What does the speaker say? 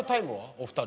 お二人。